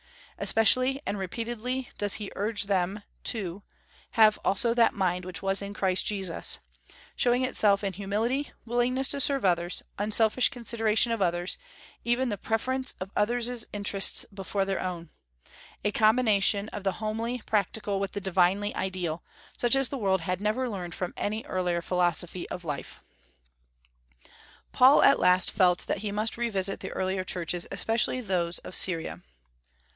Especially and repeatedly does he urge them to "have also that mind which was in Christ Jesus," showing itself in humility, willingness to serve others, unselfish consideration of others, even the preference of others' interests before their own, a combination of the homely practical with the divinely ideal, such as the world had never learned from any earlier philosophy of life. Paul at last felt that he must revisit the earlier churches, especially those of Syria.